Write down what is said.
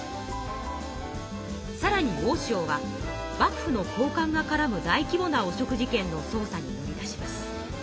さらに大塩は幕府の高官がからむ大規模なおしょく事件のそう査に乗り出します。